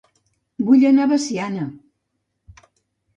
Vull anar a Veciana